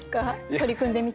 取り組んでみて。